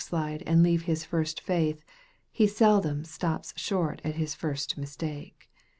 slide and leave his first faith, he seldom stops short at his first mistake.